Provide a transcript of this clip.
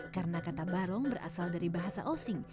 karena kata barong berasal dari bahasa osing